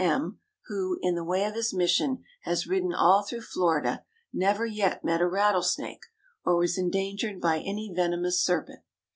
M , who in the way of his mission has ridden all through Florida, never yet met a rattlesnake, or was endangered by any venomous serpent.